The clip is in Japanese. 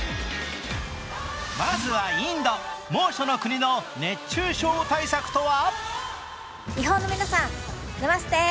まずはインド、猛暑の国の熱中症対策とは？